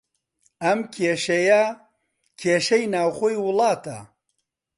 ئەم کێشەیە، کێشەی ناوخۆی وڵاتە